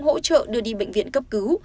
hỗ trợ đưa đi bệnh viện cấp cứu